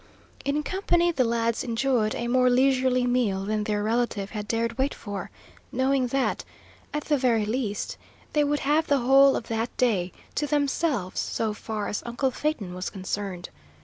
In company the lads enjoyed a more leisurely meal than their relative had dared wait for, knowing that, at the very least, they would have the whole of that day to themselves, so far as uncle Phaeton was concerned.